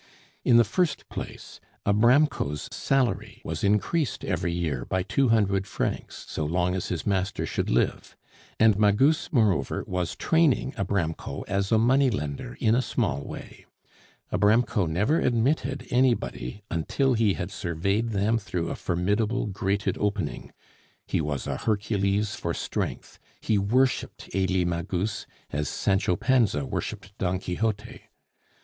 In the first place, Abramko's salary was increased every year by two hundred francs so long as his master should live; and Magus, moreover, was training Abramko as a money lender in a small way. Abramko never admitted anybody until he had surveyed them through a formidable grated opening. He was a Hercules for strength, he worshiped Elie Magus, as Sancho Panza worshiped Don Quixote.